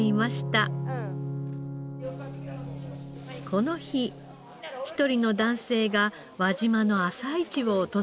この日一人の男性が輪島の朝市を訪れました。